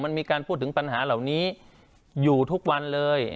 มันมีการพูดถึงปัญหาเหล่านี้อยู่ทุกวันเลย